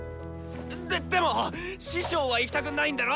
ででもっ師匠は行きたくないんだろ？